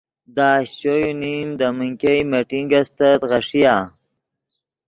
دے اشچو یو نیم دے من ګئے میٹنگ استت غیݰیآ۔